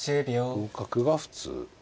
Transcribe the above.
同角が普通。